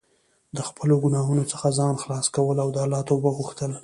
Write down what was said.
د خپلو ګناهونو څخه ځان خلاص کول او د الله توبه غوښتل.